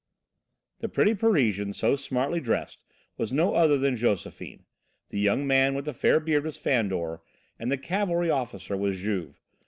The pretty Parisian, so smartly dressed, was no other than Josephine. The young man with the fair beard was Fandor and the cavalry officer was Juve.